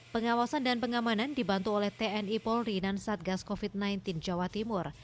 pengawasan dan pengamanan dibantu oleh tni polri dan satgas covid sembilan belas jawa timur